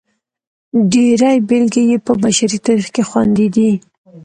ډېرې بېلګې یې په بشري تاریخ کې خوندي دي.